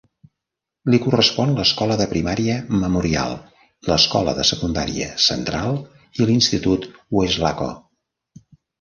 Li correspon l'escola de primària Memorial, l'escola de secundària Central i l'institut Weslaco.